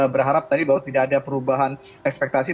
berharap tadi bahwa tidak ada perubahan ekspektasi